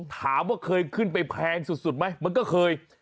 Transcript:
ถามว่าเคยขึ้นไปแพงสุดไหมมันก็เคย